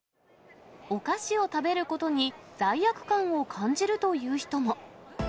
お菓子を食べることに罪悪感を感じるという人も。